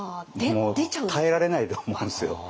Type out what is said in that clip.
もう耐えられないと思うんですよ。